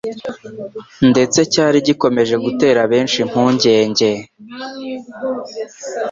ndetse cyari gikomeje gutera benshi impungenge.